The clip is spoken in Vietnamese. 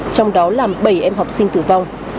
trong đó làm bảy em học sinh tử vong